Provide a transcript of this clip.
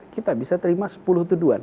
kita bisa terima sepuluh tuduhan